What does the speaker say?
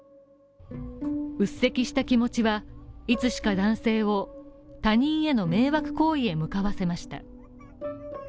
うっ積した気持ちは、いつしか男性を他人への迷惑行為へ向かわせました。